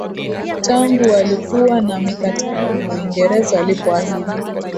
Tangu walikuwa na mikataba na Uingereza walipoahidi